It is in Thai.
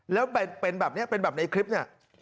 แล้วเป็นแบบนี้เป็นแบบในคลิปเนี่ย